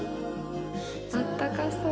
あったかそう。